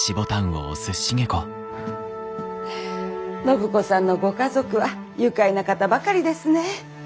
暢子さんのご家族は愉快な方ばかりですね。